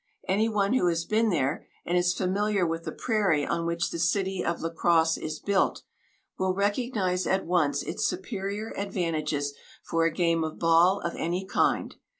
Anyone who has been there, and is familiar with the prairie on which the city of La Crosse is built, will recognize at once its superior advantages for a game of ball of any kind.